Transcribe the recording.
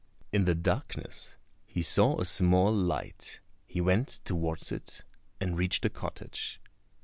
In the darkness he saw a small light; he went towards it and reached a cottage.